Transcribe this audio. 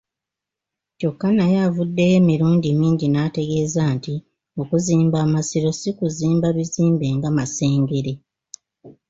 Kyokka naye avuddeyo emirundi mingi n'ategeeza nti okuzimba Amasiro si kuzimba bizimbe nga Masengere.